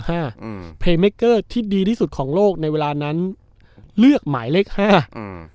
ห้าอืมที่ดีที่สุดของโลกในเวลานั้นเลือกหมายเลขห้าอืม